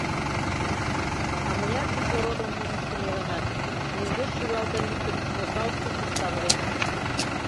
А мыняр кислородым южышто нелынат, мӧҥгеш шӱлалтен луктын, осал пушыш савыренат?